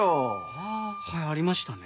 ああはいありましたね。